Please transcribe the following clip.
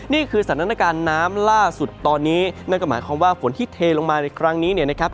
นี่คือสถานการณ์น้ำล่าสุดตอนนี้นั่นก็หมายความว่าฝนที่เทลงมาในครั้งนี้เนี่ยนะครับ